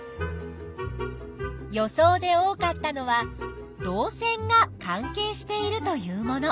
予想で多かったのは「導線が関係している」というもの。